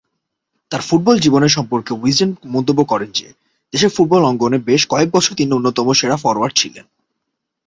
তার ফুটবল জীবন সম্পর্কে উইজডেন মন্তব্য করে যে, দেশের ফুটবল অঙ্গনে বেশ কয়েকবছর তিনি অন্যতম সেরা ফরোয়ার্ড ছিলেন।